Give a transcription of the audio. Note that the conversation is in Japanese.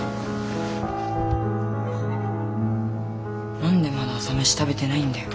何でまだ朝飯食べてないんだよ。